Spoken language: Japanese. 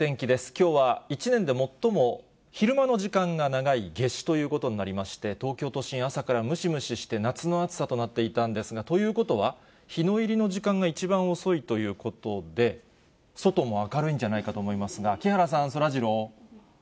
きょうは一年で最も昼間の時間が長い夏至ということになりまして、東京都心、朝からムシムシして夏の暑さとなっていたんですが、ということは、日の入りの時間が一番遅いということで、外も明るいんじゃないかと思いますが、木原さん、そらジロー。